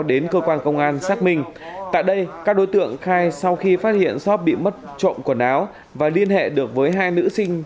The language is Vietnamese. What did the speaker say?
và công an xác minh tại đây các đối tượng khai sau khi phát hiện shop bị mất trộm quần áo và liên hệ được với hai nữ sinh